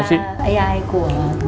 xin chào chị